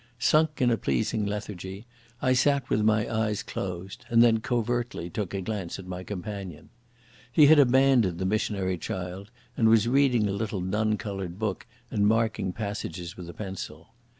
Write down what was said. Sunk in a pleasing lethargy, I sat with my eyes closed, and then covertly took a glance at my companion. He had abandoned the Missionary Child and was reading a little dun coloured book, and marking passages with a pencil.